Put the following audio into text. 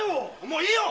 もういいよ！